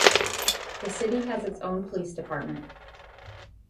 The city has its own police department.